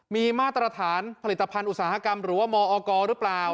มีมาตรฐานผลิตภัณฑ์อุตสาหกรรมหรือว่ามอกรหรือเปล่า